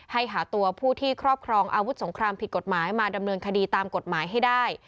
หาตัวผู้ที่ครอบครองอาวุธสงครามผิดกฎหมายมาดำเนินคดีตามกฎหมายให้ได้